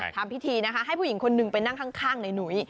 ทำพิธีนะคะให้ผู้หญิงคนหนึ่งไปนั่งข้างในหนุ้ย